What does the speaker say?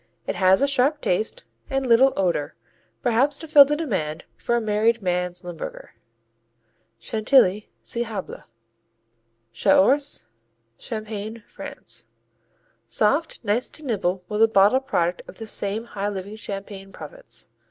It has a sharp taste and little odor, perhaps to fill the demand for a "married man's Limburger." Chantilly see Hablé. Chaource Champagne, France Soft, nice to nibble with the bottled product of this same high living Champagne Province.